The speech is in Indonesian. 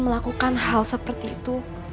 melakukan hal seperti itu